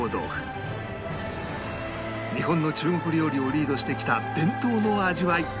日本の中国料理をリードしてきた伝統の味わい